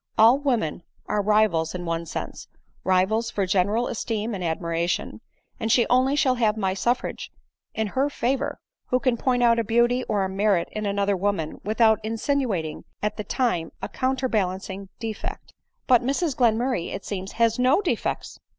" All women are rivals in one sense — rivals for general esteem and admiration ; and she only shall have my suffrage in her favor, who can point out a beauty or a merit in another woman without insinuating at the time a counterbalancing defect." " But Mrs Glenmurray, it seems, has no defects